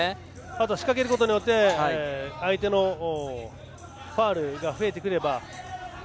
仕掛けることによって相手のファウルが増えてくれば。